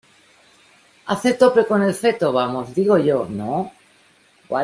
hace tope con el feto, vamos , digo yo ,¿ no?